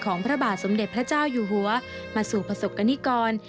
พระบาทสมเด็จพระเจ้าอยู่หัวมาสู่ประสบกรณิกร